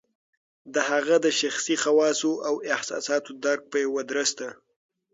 د هغه د شخصي خواصو او احساساتو درک په یوه درسته